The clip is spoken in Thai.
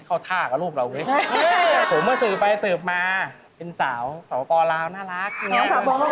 เขาป่าเขาไม่ได้เนี่ย